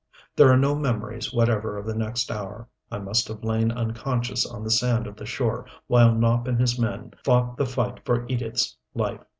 There are no memories whatever of the next hour. I must have lain unconscious on the sand of the shore while Nopp and his men fought the fight for Edith's life.